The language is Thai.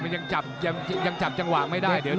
ยังจับจังหวะไม่ได้